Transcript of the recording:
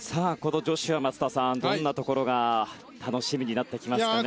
松田さん、どんなところが楽しみになってきますかね？